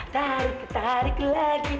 tarik tarik lagi